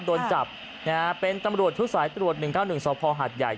โดนจับเป็นตำรวจทุกสายตรวจ๑๙๑สพหัทย่าย